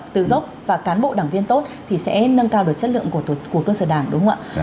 từ gốc và cán bộ đảng viên tốt thì sẽ nâng cao được chất lượng của cơ sở đảng đúng không ạ